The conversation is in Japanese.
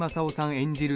演じる